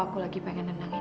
aku kangen banget sama kamu